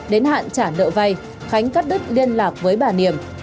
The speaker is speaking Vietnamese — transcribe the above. đến hạn trả nợ vay khánh cắt đứt liên lạc với bà niềm